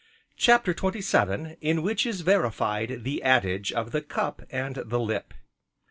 CHAPTER XXVII In which is verified the adage of the cup and the lip.